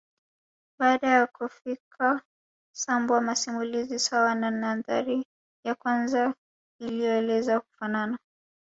Baada ya kufika Sambwa masimulizi sawa na nadhari ya kwanza iliyoelezwa hufanana